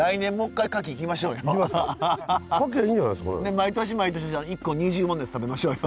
毎年毎年１個２０万のやつ食べましょうよ。